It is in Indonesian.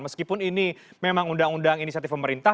meskipun ini memang undang undang inisiatif pemerintah